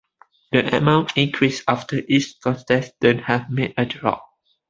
The amounts increase after each contestant has made a drop.